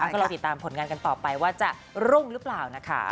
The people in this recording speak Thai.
ก็รอติดตามผลงานกันต่อไปว่าจะรุ่งหรือเปล่านะคะ